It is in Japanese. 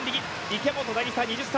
池本凪沙、２０歳。